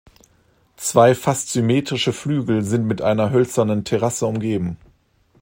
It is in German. Zwei fast symmetrische Flügel sind mit einer hölzernen Terrasse umgeben.